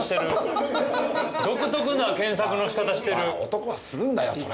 男はするんだよそれ。